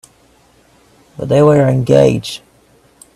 But they were engaged.